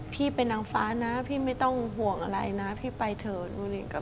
พี่เป็นนางฟ้านะพี่ไม่ต้องห่วงอะไรนะพี่ไปเถอะ